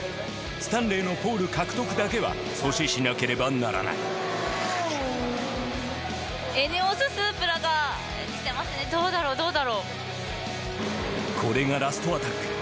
スタンレーのポール獲得だけは阻止しなければならないこれがラストアタック。